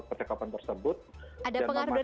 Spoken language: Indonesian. ada pengaruh dari influencer juga ya mas damar